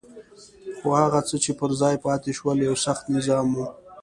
خو هغه څه چې پر ځای پاتې شول یو سخت نظام وو.